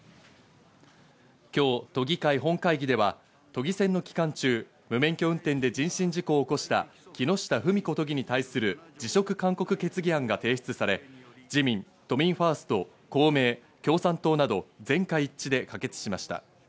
今日、都議会本会議では都議選の期間中、無免許運転で人身事故を起こした木下富美子都議に対する辞職勧告決議案が提出され、自民、都民ファースト、公明、共産党など、全会一致で可決しました。